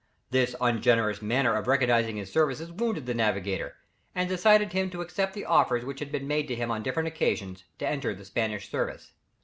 This ungenerous manner of recognizing his services wounded the navigator, and decided him to accept the offers which had been made to him on different occasions, to enter the Spanish service.